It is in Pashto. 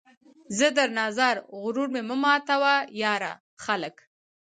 زه درنه ځار ، غرور مې مه ماتوه ، یاره ! خلک